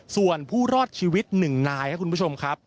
ส่วนผู้รอดชีวิต๑นายครับคุณผู้ชมครับ